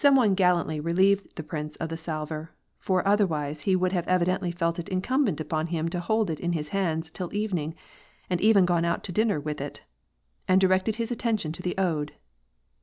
one gallantly relieved the prince of the salver — for otherwise, he would have evidently felt it incumbent upon him to hold it in his hands till evening, and even gone out to dinner with it — and directed his attention to the ode.